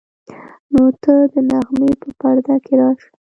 نو ته د نغمې په پرده کې راشه.